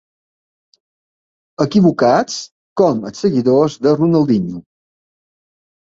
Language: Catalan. Equivocats com els seguidors de Ronaldinho.